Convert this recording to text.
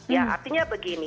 ya artinya begini